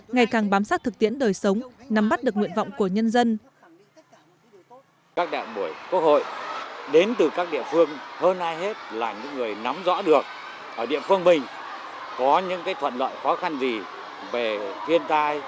ngày càng bám sát thực tiễn đời sống nắm bắt được nguyện vọng của nhân dân